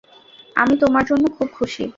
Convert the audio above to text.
আমি তোমার জন্য খুব খুশী।